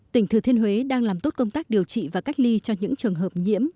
tỉnh thừa thiên huế đang làm tốt công tác điều trị và cách ly cho những trường hợp nhiễm